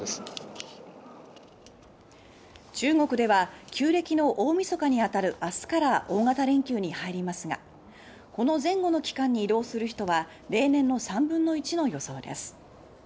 中国では旧暦の大みそかにあたる明日から大型連休に入りますがこの前後の期間に移動する人は例年の３分の１の予想です。